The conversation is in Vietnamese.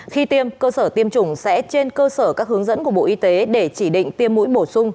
khi tiêm cơ sở tiêm chủng sẽ trên cơ sở các hướng dẫn của bộ y tế để chỉ định tiêm mũi bổ sung